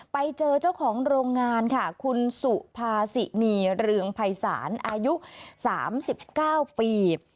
ไปเจอเจ้าของโรงงานคุณสุพาศินีรึงไพรศาลอายุ๓๙ปี